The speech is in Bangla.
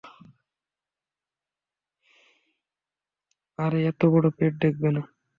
আরে এতো বড় পেট দেখবে না।